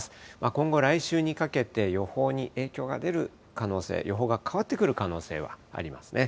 今後、来週にかけて、予報に影響が出る可能性、予報が変わってくる可能性はありますね。